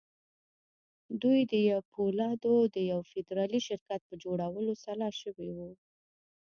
دوی د پولادو د يوه فدرالي شرکت پر جوړولو سلا شوي وو.